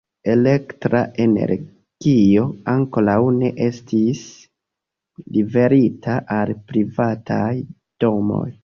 Elektra energio ankoraŭ ne estis liverita al privataj domoj.